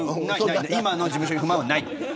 今の事務所に不満はない。